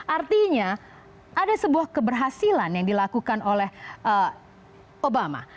artinya ada sebuah keberhasilan yang dilakukan oleh obama